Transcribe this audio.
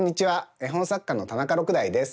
絵本作家の田中六大です。